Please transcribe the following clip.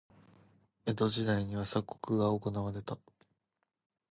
江戸時代には鎖国が行われた。